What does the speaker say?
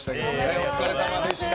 お疲れさまでした。